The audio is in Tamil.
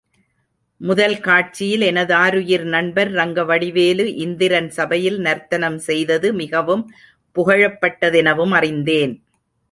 முதல் காட்சியில் எனதாருயிர் நண்பர் ரங்கவடிவேலு, இந்திரன் சபையில் நர்த்தனம் செய்தது மிகவும் புகழப்பட்டதெனவும் அறிந்தேன்.